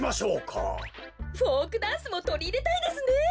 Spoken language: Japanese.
フォークダンスもとりいれたいですね。